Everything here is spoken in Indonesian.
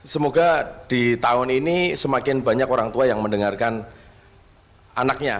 semoga di tahun ini semakin banyak orang tua yang mendengarkan anaknya